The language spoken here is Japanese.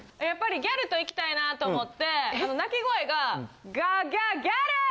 やっぱりギャルと行きたいなと思って鳴き声がガギャギャル！